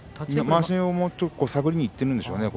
まわしを探りにいってるんでしょうね。